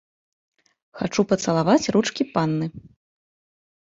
Хачу пацалаваць ручкі панны.